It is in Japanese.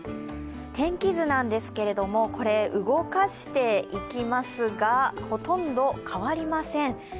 天気図なんですけれども動かしていきますが、ほとんど変わりません。